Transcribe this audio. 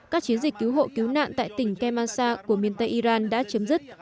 các chiến dịch cứu hộ cứu nạn tại tỉnh kemansa của miền tây iran đã chấm dứt